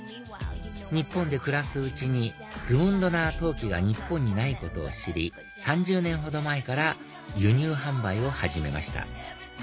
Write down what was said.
日本で暮らすうちにグムンドナー陶器が日本にないことを知り３０年ほど前から輸入販売を始めました